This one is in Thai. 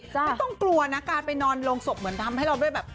ไม่ต้องกลัวนะการไปนอนโรงศพเหมือนทำให้เราได้แบบ